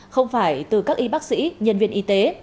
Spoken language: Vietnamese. không phải từ các y bác sĩ nhân viên y tế